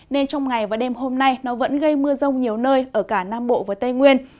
nên trong ngày và đêm hôm nay nó vẫn gây mưa rông nhiều nơi ở cả nam bộ và tây nguyên